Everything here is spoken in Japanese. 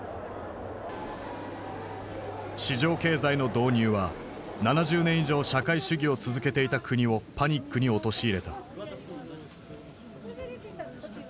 市場経済の導入は７０年以上社会主義を続けていた国をパニックに陥れた。